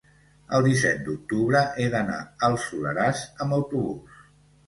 el disset d'octubre he d'anar al Soleràs amb autobús.